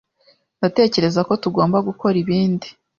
Ndatekereza ko tugomba gukora ibindi.